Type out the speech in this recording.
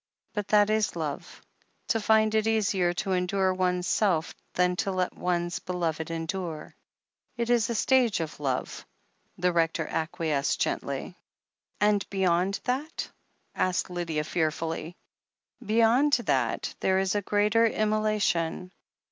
"But that is love, to find it easier to endure oneself than to let one's beloved endure !" "It is a stage of love," the Rector acquiesced gently. "And beyond that?" asked Lydia fearfully. "Beyond that there is a greater immolation.